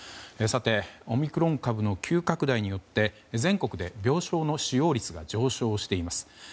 さて、オミクロン株の急拡大によって全国で病床の使用率が上昇しています。